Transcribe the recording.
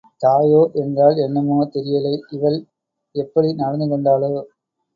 தாயோ என்றால் என்னமோ, தெரியலை இவள் எப்படி நடந்து கொண்டாளோ?